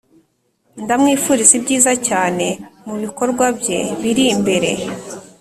ndamwifuriza ibyiza cyane mubikorwa bye biri imbere.